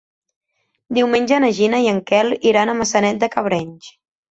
Diumenge na Gina i en Quel iran a Maçanet de Cabrenys.